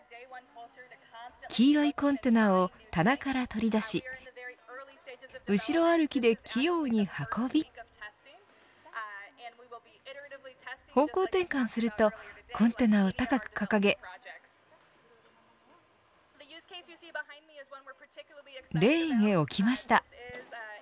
黄色いコンテナを棚から取り出し後ろ歩きで器用に運び方向転換するとコンテナを高く掲げレーンへ置きました。